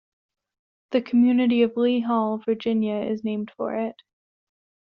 The community of Lee Hall, Virginia is named for it.